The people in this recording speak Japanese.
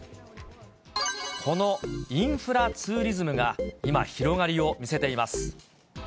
このインフラツーリズムが今、広がりを見せています。